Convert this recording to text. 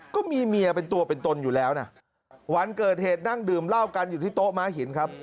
ก็มีเมียเป็นตัวเป็นตนอยู่แล้วนะวันเกิดเหตุนั่งดื่มเหล้ากันอยู่ที่โต๊ะม้าหินครับ